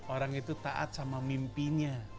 orang itu taat sama mimpinya